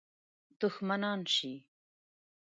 دښمنان شي.